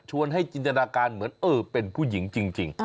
ให้จินตนาการเหมือนเออเป็นผู้หญิงจริง